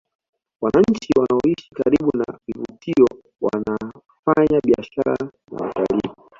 Wananchi wanaoishi karibu na vivutio waanafanya biashara na watalii